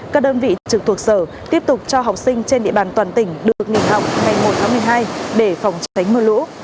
các đơn vị trực thuộc sở tiếp tục cho học sinh trên địa bàn toàn tỉnh được nghỉ học ngày một tháng một mươi hai để phòng tránh mưa lũ